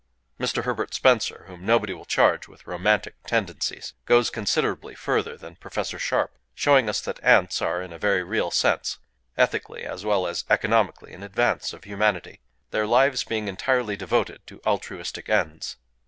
Mr. Herbert Spencer, whom nobody will charge with romantic tendencies, goes considerably further than Professor Sharp; showing us that ants are, in a very real sense, ethically as well as economically in advance of humanity,—their lives being entirely devoted to altruistic ends.